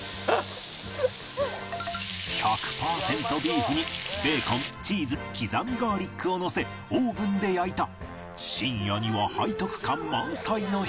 １００パーセントビーフにベーコンチーズ刻みガーリックをのせオーブンで焼いた深夜には背徳感満載のひと品